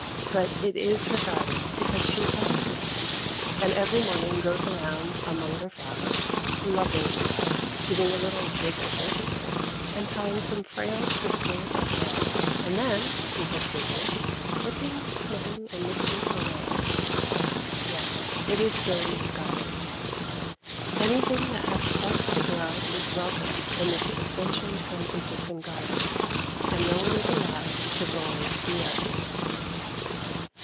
But it is her garden because she tends it, and every morning goes around among her flowers lovingly, giving a little dig of dirt here, and tying some frail sisters up there and then, with her scissors, clipping, snipping and nipping away. Yes, it is Zoe's garden. Anything that has spunk to grow is welcome in this essentially San Franciscan garden. And no one is allowed to bully the others.